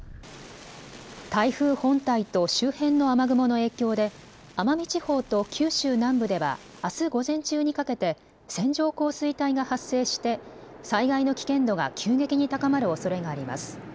台風本体と周辺の雨雲の影響で奄美地方と九州南部ではあす午前中にかけて線状降水帯が発生して災害の危険度が急激に高まるおそれがあります。